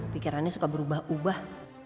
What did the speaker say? pikirannya suka berubah ubah